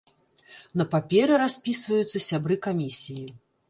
На паперы распісваюцца сябры камісіі.